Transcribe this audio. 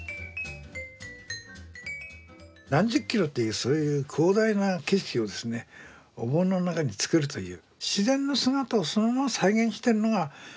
何十キロというそういう広大な景色をですねお盆の中に作るという。